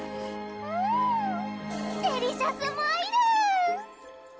うんデリシャスマイル！